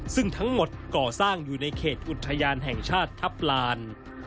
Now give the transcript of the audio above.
ซึ่งทั้งหมดก่อสร้างอยู่ในเขตอุทยานแห่งชาติทัพลาน